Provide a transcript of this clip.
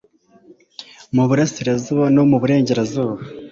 Mu burasirazuba no mu burengerazuba